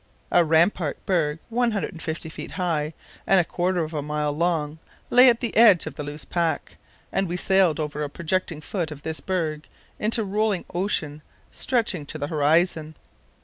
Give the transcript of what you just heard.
A rampart berg 150 ft. high and a quarter of a mile long lay at the edge of the loose pack, and we sailed over a projecting foot of this berg into rolling ocean, stretching to the horizon.